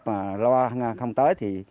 mà loa không tới thì